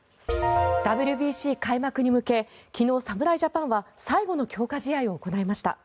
ＷＢＣ開幕に向け昨日、侍ジャパンは最後の強化試合を行いました。